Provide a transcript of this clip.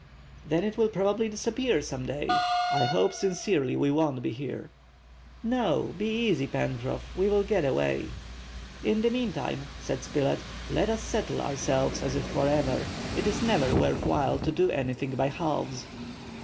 "Then it will probably disappear some day. I hope sincerely we won't be here." "No, be easy, Pencroff, we will get away." "In the meantime," said Spilett, "let us settle ourselves as if forever. It is never worth while to do anything by halves."